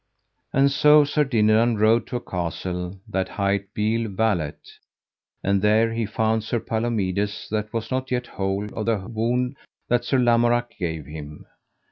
And so Sir Dinadan rode to a castle that hight Beale Valet. And there he found Sir Palomides that was not yet whole of the wound that Sir Lamorak gave him.